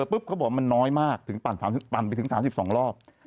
ป๊บเขาก็บอกมันน้อยมากให้ปั่นบนถึง๓๒รอบ